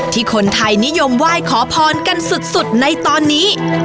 ที่คนไทยนิยมไหว้ขอพรกันสุดในตอนนี้